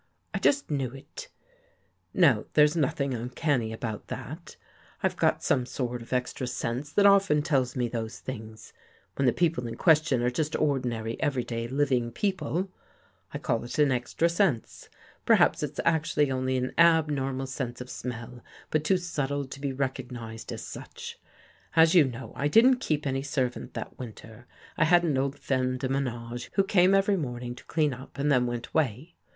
I just knew it. Now there's nothing uncanny about that. I've got some sort of extra sense that often tells me those things, when the people in question are just ordinary, everyday, living people. I call it an extra sense. Perhaps it's actually only an abnormal sense of smell, but too subtle to recognize as such. " As you know, I didn't keep any servant that winter. I had an old femme de menage who came every morning to clean up and then went away.